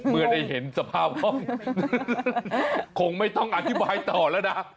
เมื่อได้เห็นสภาพห้องคงไม่ต้องอธิบายต่อแล้วนะ